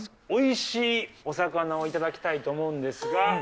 おいしいお魚を頂きたいと思うんですが。